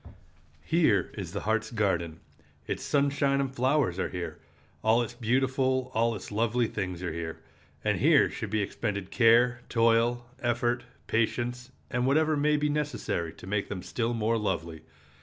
Here is the heart's garden. Its sunshine and flowers are here. All its beautiful, all its lovely things are here. And here should be expended care, toil, effort, patience, and whatever may be necessary to make them still more lovely.